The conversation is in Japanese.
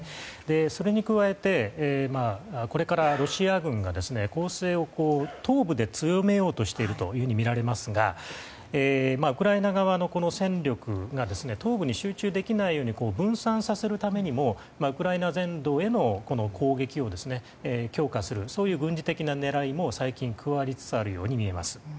それに加えてこれからロシア軍が攻勢を東部で強めようというふうにみられますがウクライナ側の戦力が東部に集中できないように分散させるためにもウクライナ全土への攻撃を強化するという軍事的な狙いも最近、加わりつつあるように見えます。